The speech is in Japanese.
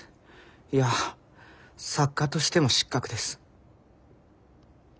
いや作家としても失格です。